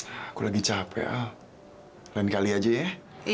aku lagi capek ah lain kali aja ya